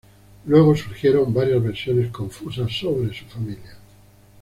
Luego surgieron varias versiones confusas sobre su familia.